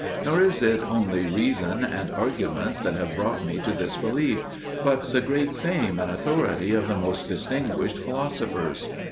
Nor is it only reason and arguments that have brought me to this belief, but the great fame and authority of the most distinguished philosophers.